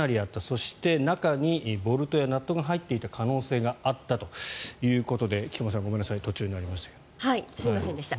そして、中にボルトやナットが入っていた可能性があったということで菊間さん、ごめんなさい途中になりましたけど。